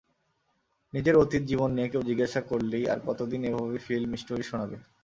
নিজের অতীত জীবন নিয়ে কেউ জিজ্ঞাসা করলেই আর কতদিন এভাবে ফিল্ম স্টোরি শোনাবে?